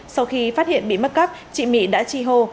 sau khi phát hiện bị mất cắp chị mỹ đã chi hô